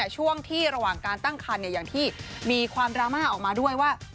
ช่วงที่ระหว่างการตั้งคันอย่างที่มีความดราม่าออกมาด้วยว่า